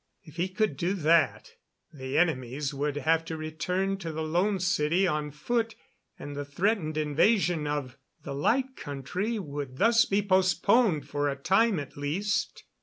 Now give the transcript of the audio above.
If he could do that, the enemies would have to return to the Lone City on foot, and the threatened invasion of the Light Country would thus be postponed for a time at least.